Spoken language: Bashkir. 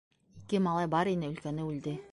- Ике малай бар ине, өлкәне үлде.